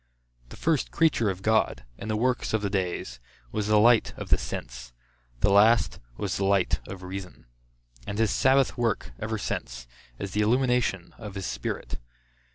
The first creature of God, in the works of the days, was the light of the sense; the last, was the light of reason; and his sabbath work ever since, is the illumination of his Spirit.